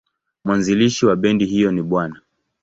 Mwanzilishi wa bendi hiyo ni Bw.